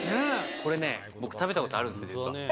これね、僕食べたことあるんだよ、実は。